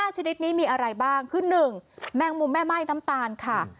ชนิดนี้มีอะไรบ้างคือ๑แมงมุมแม่ไหม้น้ำตาลค่ะ